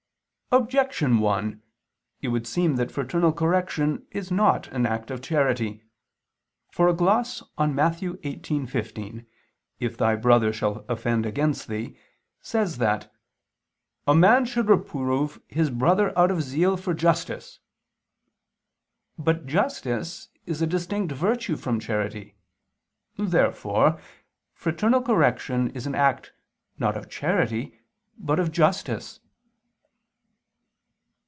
Objection 1: It would seem that fraternal correction is not an act of charity. For a gloss on Matt. 18:15, "If thy brother shall offend against thee," says that "a man should reprove his brother out of zeal for justice." But justice is a distinct virtue from charity. Therefore fraternal correction is an act, not of charity, but of justice.